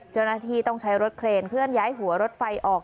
เจ้าหน้าที่ต้องใช้รถเครนเคลื่อนย้ายหัวรถไฟออก